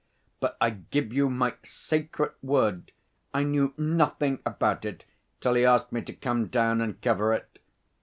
But I give you my sacred word I knew nothing about it till he asked me to come down and cover it.